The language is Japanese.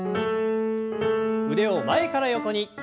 腕を前から横に。